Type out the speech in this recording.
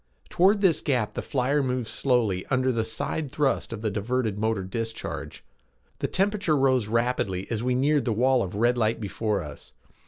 Toward this gap the flyer moved slowly under the side thrust of the diverted motor discharge. The temperature rose rapidly as we neared the wall of red light before us.